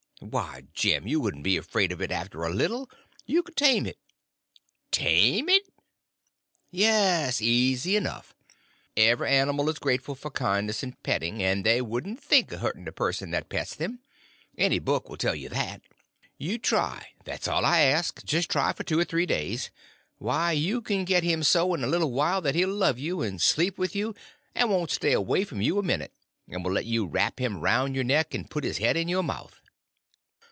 "Why, Jim, you wouldn't be afraid of it after a little. You could tame it." "Tame it!" "Yes—easy enough. Every animal is grateful for kindness and petting, and they wouldn't think of hurting a person that pets them. Any book will tell you that. You try—that's all I ask; just try for two or three days. Why, you can get him so, in a little while, that he'll love you; and sleep with you; and won't stay away from you a minute; and will let you wrap him round your neck and put his head in your mouth."